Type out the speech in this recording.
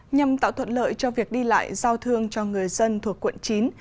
nhằm tạo thuận lợi cho việc đi lại giao thương cho người dân thuộc quận chín